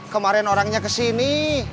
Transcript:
kemarin orangnya kesini